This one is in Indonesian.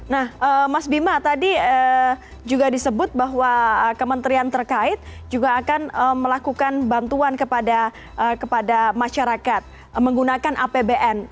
nah mas bima tadi juga disebut bahwa kementerian terkait juga akan melakukan bantuan kepada masyarakat menggunakan apbn